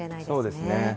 そうですね。